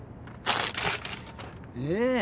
ええ。